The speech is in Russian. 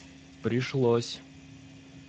пришлось